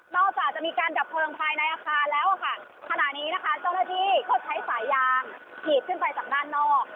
จากจะมีการดับเพลิงภายในอาคารแล้วอะค่ะขณะนี้นะคะเจ้าหน้าที่ก็ใช้สายยางขีดขึ้นไปจากด้านนอก